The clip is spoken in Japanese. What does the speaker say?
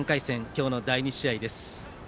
今日の第２試合です。